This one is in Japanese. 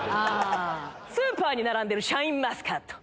スーパーに並んでるシャインマスカット。